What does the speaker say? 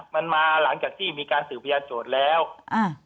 มันมาหลังจากที่มีการสืบพยานโจทย์แล้วอ่า